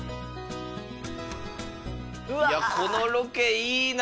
このロケいいな！